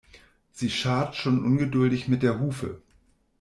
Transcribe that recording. Sie scharrt schon ungeduldig mit der Hufe.